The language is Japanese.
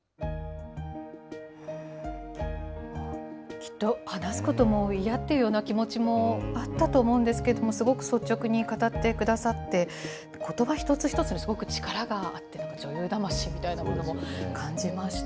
きっと話すことも嫌っていうような気持ちもあったと思うんですけれども、すごく率直に語ってくださって、ことば一つ一つに、すごく力があって、女優魂みたいなものも感じました。